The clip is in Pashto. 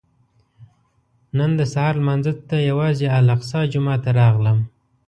نن د سهار لمانځه ته یوازې الاقصی جومات ته راغلم.